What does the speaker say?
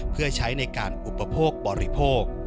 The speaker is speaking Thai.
เพื่อใช้ในการอุปโภคบริโภค